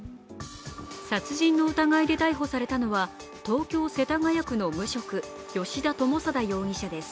殺人の疑いで逮捕されたのは東京・世田谷区の無職、吉田友貞容疑者です。